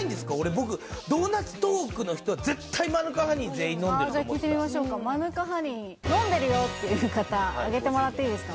僕「ドーナツトーク」の人は絶対マヌカハニー全員飲んでると思ってたじゃあ聞いてみましょうかマヌカハニー飲んでるよっていう方あげてもらっていいですか？